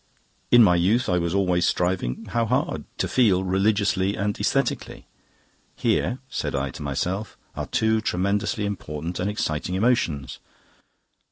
In my youth I was always striving how hard! to feel religiously and aesthetically. Here, said I to myself, are two tremendously important and exciting emotions.